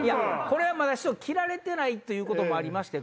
これはまだ着られてないということもありまして